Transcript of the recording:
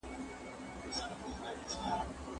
دا جایزه د غوره خبریال لپاره ځانګړې شوې ده.